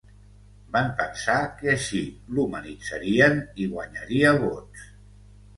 Van pensar que així l'humanitzarien i guanyaria vots.